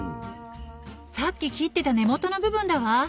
さっき切ってた根元の部分だわ！